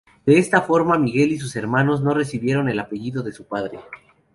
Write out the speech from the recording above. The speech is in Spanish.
De esta forma Miguel y sus hermanos, no recibieron el apellido de su padre.